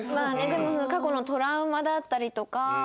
でも過去のトラウマだったりとか。